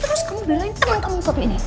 terus kamu belain teman kamu saat ini